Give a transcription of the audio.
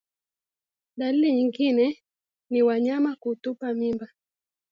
Dalili nyingine ni wanyama kutupa mimba